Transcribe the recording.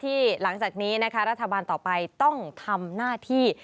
หลังจากนี้นะคะรัฐบาลต่อไปต้องทำหน้าที่